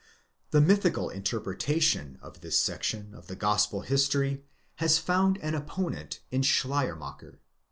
The mythical interpretation of this section of the gospel history has found an opponent in Schleiermacher.